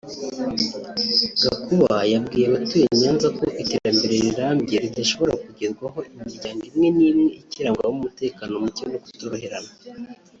Gakuba yabwiye abatuye Nyanza ko iterambere rirambye ridashobora kugerwaho imiryango imwe n’imwe ikirangwamo umutekano muke no kutoroherana